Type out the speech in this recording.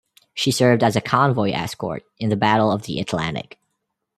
She served as a convoy escort in the Battle of the Atlantic.